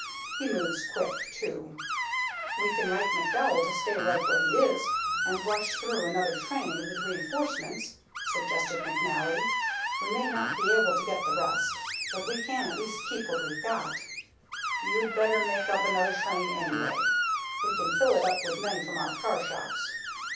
He moves quick, too." "We can wire McDowell to stay right where he is, and rush through another train with re enforcements," suggested McNally. "We may not be able to get the rest, but we can at least keep what we've got." "You'd better make up another train, anyway. We can fill it up with men from our carshops.